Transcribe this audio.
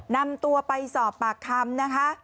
นำตัวไปสอบปากคำนะคะ